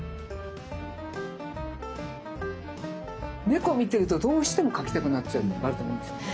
猫を見てるとどうしても描きたくなっちゃうとかあると思うんですよね。